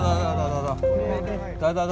rồi rồi rồi